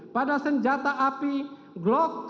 pada senjata api glock tujuh belas